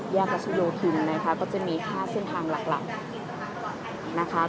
รัชโยธินนะคะก็จะมี๕เส้นทางหลักนะคะ